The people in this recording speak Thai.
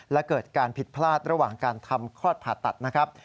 และเกิดการผิดพลาดระหว่างการทำคลอดผ่าตัดนะครับ